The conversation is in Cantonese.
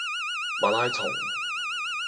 馬拉松